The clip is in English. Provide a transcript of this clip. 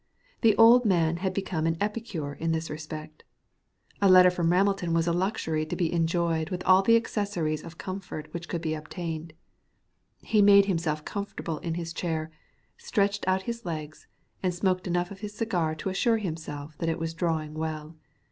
The old man had become an epicure in this respect. A letter from Ramelton was a luxury to be enjoyed with all the accessories of comfort which could be obtained. He made himself comfortable in his chair, stretched out his legs, and smoked enough of his cigar to assure himself that it was drawing well.